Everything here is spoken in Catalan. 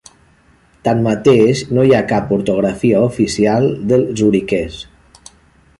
Tanmateix, no hi ha cap ortografia oficial del zuriquès.